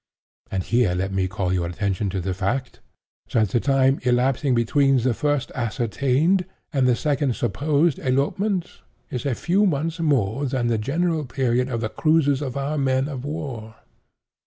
And here let me call your attention to the fact, that the time elapsing between the first ascertained, and the second supposed elopement, is a few months more than the general period of the cruises of our men of war.